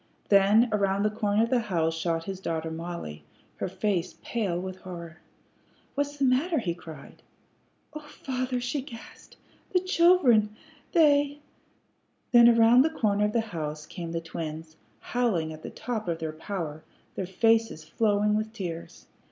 Then around the corner of the house shot his daughter Mollie, her face pale with horror. "What's the matter?" he cried. "Oh, father," she gasped, "the children! They " Then around the corner of the house came the twins, howling at the top of their power, their faces flowing with tears.